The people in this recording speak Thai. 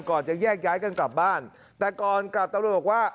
ก่อนจะแยกย้ายกันกลับบ้านแต่ก่อนกลับตำรวจบอกว่า